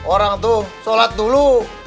orang tuh sholat dulu